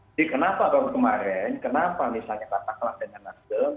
jadi kenapa baru kemarin kenapa misalnya katakanlah dengan nasdem